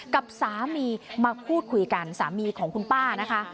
กับสามีมาพูดคุยกันสามีของคุณป้านะคะ